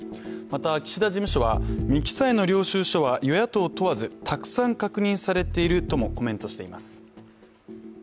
また、岸田事務所は無記載の領収書は与野党問わずたくさん確認されているともコメントしています。